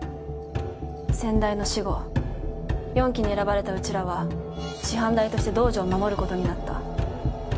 先代の死後四鬼に選ばれたうちらは師範代として道場を守ることになった。